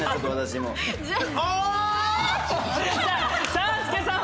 ３助さん！